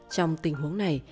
trong tình huống này